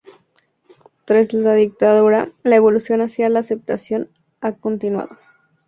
Tras la dictadura, la evolución hacia la aceptación ha continuado.